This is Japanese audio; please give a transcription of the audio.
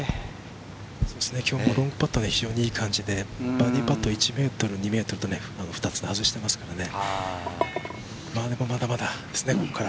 きょうもロングパットが非常にいい感じでバーディーパット、２つ外していますからね。